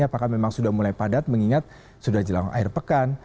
apakah memang sudah mulai padat mengingat sudah jelang akhir pekan